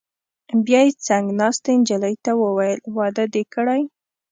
بیا یې څنګ ناستې نجلۍ ته وویل: واده دې کړی؟